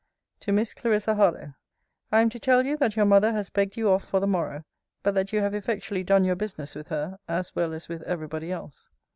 TO MISS CLARISSA HARLOWE I am to tell you, that your mother has begged you off for the morrow: but that you have effectually done your business with her, as well as with every body else.